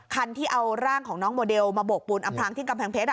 คันที่เอาร่างของน้องโมเดลมาโบกปูนอำพลางที่กำแพงเพชร